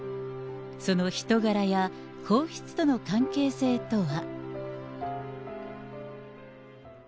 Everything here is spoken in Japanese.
その人柄や、皇室との関係性とは。